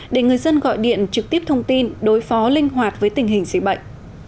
để người dân gọi điện trực tiếp thông tin đối phó linh hoạt với tình hình dịch bệnh